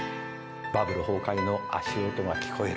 バブル崩壊の足音が聞こえる。